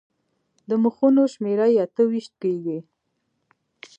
د مخونو شمېره یې اته ویشت کېږي.